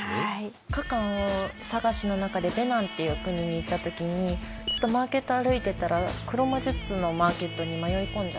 カカオ探しの中でベナンっていう国に行った時にマーケットを歩いていたら黒魔術のマーケットに迷い込んじゃって。